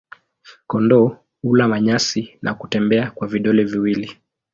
Kondoo hula manyasi na kutembea kwa vidole viwili.